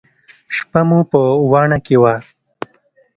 شپه مو په واڼه کښې وه.